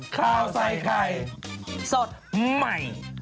ข้าวใส่ไข่สดใหม่